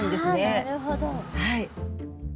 あなるほど。